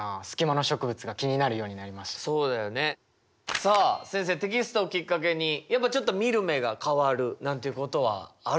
さあ先生テキストをきっかけにやっぱちょっと見る目が変わるなんていうことはあるんですね。